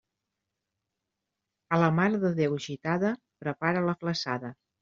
A la Mare de Déu Gitada, prepara la flassada.